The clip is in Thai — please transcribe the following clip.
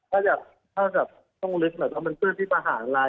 ถ้าอยากต้องลึกแบบว่ามันเพื่อนที่มาหาอะไร